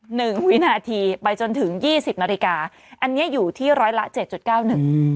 หนึ่งวินาทีไปจนถึงยี่สิบนาฬิกาอันเนี้ยอยู่ที่ร้อยละเจ็ดจุดเก้าหนึ่งอืม